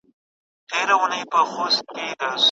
د نوي ښوونیز نظام له مخې د جامو رنګونه څنګه دي؟